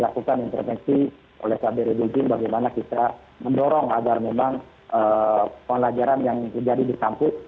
dan dilakukan intervensi oleh kabupaten redunding bagaimana kita mendorong agar memang pelajaran yang menjadi disamput